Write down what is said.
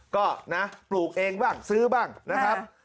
ก็นะปลูกเองบ้างซื้อบ้างนะครับ